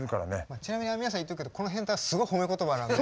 ちなみに皆さん言っとくけどこの変態はすごい褒め言葉なんで。